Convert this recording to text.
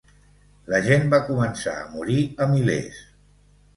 La gent va començar a morir a milers.